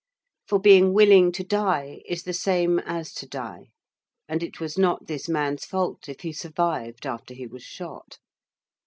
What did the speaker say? For being willing to die is the same as to die; and it was not this man's fault if he survived after he was shot.